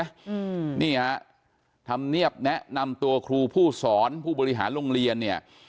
อืมนี่ฮะธรรมเนียบแนะนำตัวครูผู้สอนผู้บริหารโรงเรียนเนี่ย